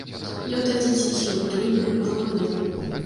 Ён такі ціхі, утульны, родны.